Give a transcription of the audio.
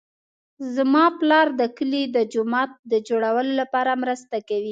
زما پلار د کلي د جومات د جوړولو لپاره مرسته کوي